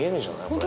これ。